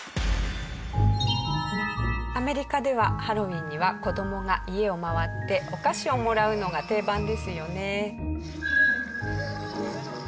アメリカではハロウィーンには子どもが家を回ってお菓子をもらうのが定番ですよね。